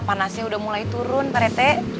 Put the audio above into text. panasnya sudah mulai turun pak rete